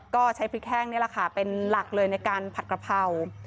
ก็ใช้พริกแห้งนี่แหละค่ะเป็นหลักเลยในการผัดกระเพรา